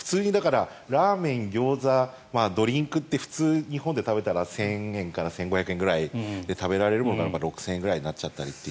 ラーメン、ギョーザドリンクって普通、日本で食べたら１０００円から１５００円で食べられるものが６０００円ぐらいになっちゃったりっていう。